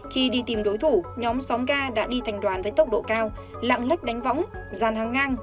khi đi tìm đối thủ nhóm xóm ga đã đi thành đoàn với tốc độ cao lặng lắc đánh võng giàn hàng ngang